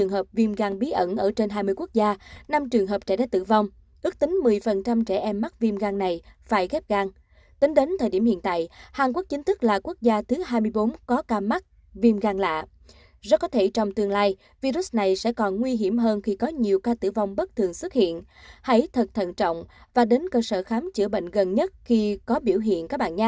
hãy đăng ký kênh để ủng hộ kênh của chúng mình nhé